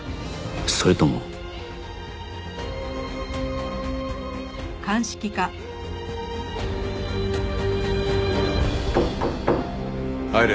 それとも入れ。